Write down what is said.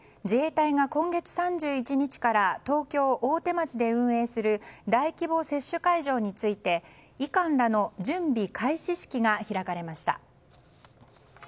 自衛隊が今月３１日から東京・大手町で運営する大規模接種会場について医官らの準備開始式が開かれました。